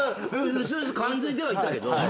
うすうす感づいてはいたけど。